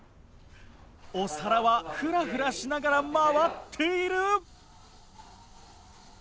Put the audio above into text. お皿はフラフラしながら回っている！